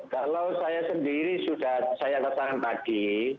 kalau saya sendiri sudah saya kesan pagi